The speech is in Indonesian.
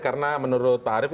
karena menurut pak arief